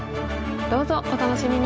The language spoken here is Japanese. どうぞお楽しみに！